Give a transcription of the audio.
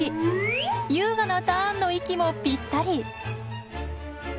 優雅なターンの息もぴったり。